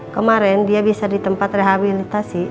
kemarin dia bisa di tempat rehabilitasi